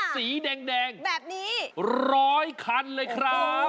สีแดงแบบนี้๑๐๐คันเลยครับ